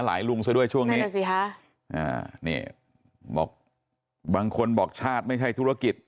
หลายลุงซะด้วยช่วงนี้นั่นแหละสิฮะอ่านี่บอกบางคนบอกชาติไม่ใช่ธุรกิจ